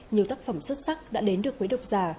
nhiều tác phẩm xuất sắc đã đến được với độc giả